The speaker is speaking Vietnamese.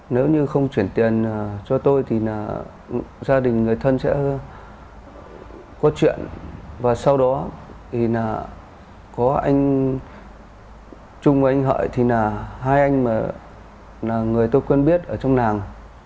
nếu như không chuyển tiền cho tôi thì gia đình người thân sẽ có chuyện và sau đó có anh trung và anh hợi thì là hai anh mà người tôi quên biết ở trong nàng